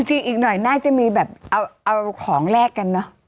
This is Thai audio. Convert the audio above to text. อีกหน่อยน่าจะมีแบบเอาของแลกกันเนอะ